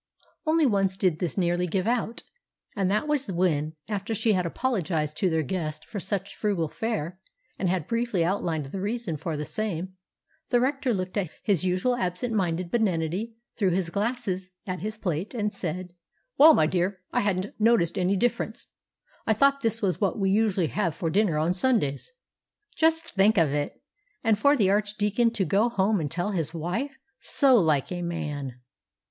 Only once did this nearly give out, and that was when, after she had apologised to their guest for such frugal fare and had briefly outlined the reason for the same, the Rector looked with his usual absent minded benignity through his glasses at his plate, and said— "Well, my dear, I hadn't noticed any difference: I thought this was what we usually have for dinner on Sundays." Just think of it! And for the Archdeacon to go home and tell his wife! So like a man!